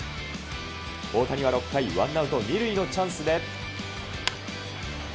大谷は６回、ワンアウト２塁のチャンスで。